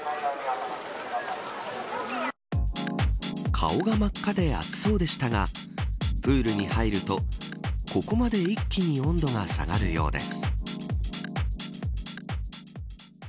顔が真っ赤で暑そうでしたがプールに入るとここまで一気に温度が下がるようです。